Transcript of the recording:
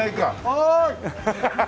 おい！